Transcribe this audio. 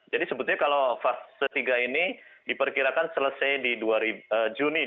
jadi sebetulnya kalau fase tiga ini diperkirakan selesai di juni dua ribu dua puluh satu